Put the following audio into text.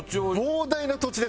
膨大な土地です。